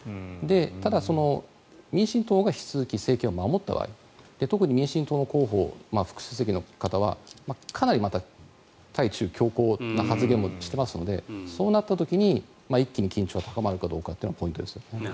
ただ、民進党が引き続き政権を守った場合特に民進党の候補副主席の方はかなり対中強硬な発言もしていますのでそうなった時に一気に緊張が高まるかどうかがポイントですね。